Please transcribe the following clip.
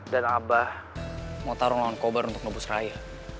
dan abah mau tarung lawan kobar untuk nubus raya